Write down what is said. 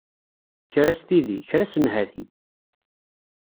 Kra s tidi, kra s nnhati.